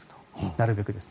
なるべく。